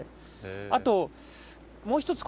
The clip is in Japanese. あともう１つ。